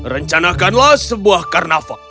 rencanakanlah sebuah karnava